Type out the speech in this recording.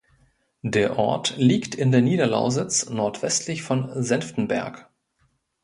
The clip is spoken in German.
Der Ort liegt in der Niederlausitz nordwestlich von Senftenberg.